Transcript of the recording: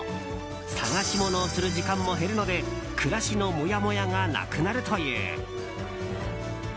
探し物をする時間も減るので暮らしのモヤモヤがなくなるという。